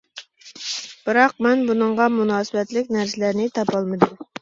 بىراق مەن بۇنىڭغا مۇناسىۋەتلىك نەرسىلەرنى تاپالمىدىم.